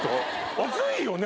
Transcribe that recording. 暑いよね？